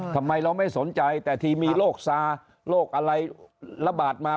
ทำไมเราไม่สนใจแต่ทีมีโรคซาโรคอะไรระบาดมา